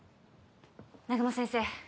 南雲先生